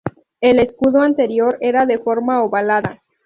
El escudo anterior era de forma ovalada.